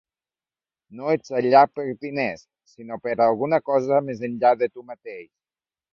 No ets allà per diners, sinó per alguna cosa més enllà de tu mateix.